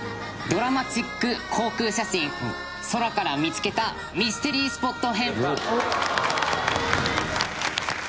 ドラマチック航空写真空から見つけたミステリースポット